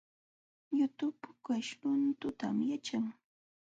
Yutu pukaśh luntutam waćhan